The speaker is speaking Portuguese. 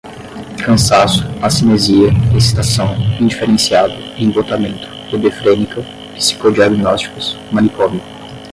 cansaço, acinesia, excitação, indiferenciado, embotamento, hebefrênica, psicodiagnósticos, manicômio